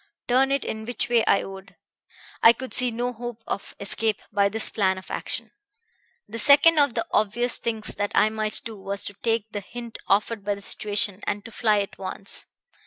Turn it which way I would, I could see no hope of escape by this plan of action. "The second of the obvious things that I might do was to take the hint offered by the situation, and to fly at once.